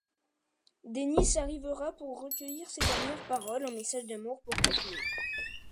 Dennis arrivera pour recueillir ses dernières paroles, un message d'amour pour Kathleen.